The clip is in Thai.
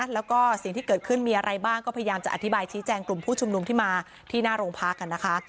แล้วก็สิ่งที่เกิดขึ้นมีอะไรบ้างก็พยายามจะอธิบายชี้แจงกลุ่มผู้ชุมนุมที่มาที่หน้าโรงพักนะคะ